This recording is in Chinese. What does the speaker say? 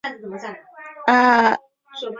冈政伟得到了一个机师的角色。